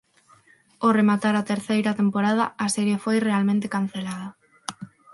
Ó rematar a terceira temporada a serie foi realmente cancelada.